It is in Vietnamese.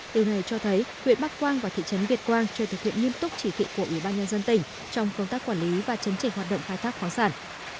từ này cho thấy huyện bắc quang và thị trấn việt quang chưa thực hiện nghiêm túc chỉ thị của ủy ban nhân dân tỉnh trong công tác quản lý và chấn chỉnh hoạt động khai thác khoáng sản